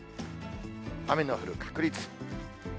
雨の降る確率。